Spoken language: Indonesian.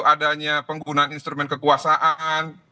adanya penggunaan instrumen kekuasaan